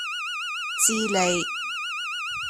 智利